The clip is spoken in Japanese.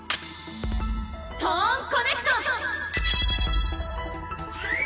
トーンコネクト！